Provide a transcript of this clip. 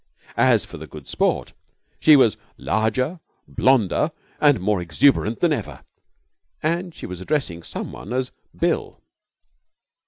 As for the Good Sport, she was larger, blonder, and more exuberant than ever and she was addressing someone as 'Bill'.